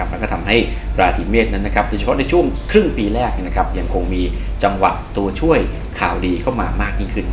และทำให้ราศีเมษในช่วงครึ่งปีแรกยังมีจังหวะตัวช่วยข่าวดีเข้ามามากยิ่งขึ้น